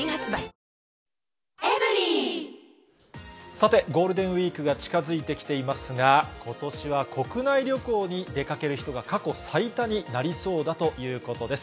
さて、ゴールデンウィークが近づいてきていますが、ことしは国内旅行に出かける人が過去最多になりそうだということです。